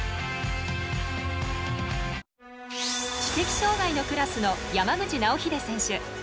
知的障がいのクラスの山口尚秀選手。